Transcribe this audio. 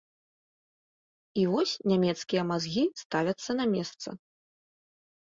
І вось нямецкія мазгі ставяцца на месца.